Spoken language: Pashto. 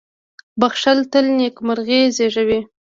• بښل تل نېکمرغي زېږوي.